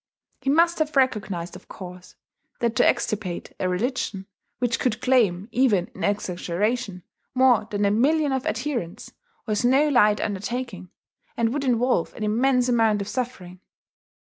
He must have recognized, of course, that to extirpate a religion which could claim, even in exaggeration, more than a million of adherents, was no light undertaking, and would involve an immense amount of suffering.